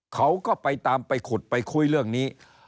เขาก็ไปตามไปขุดไปคุยเรื่องนี้